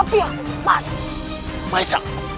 bahkan dalam jalan aja née tahu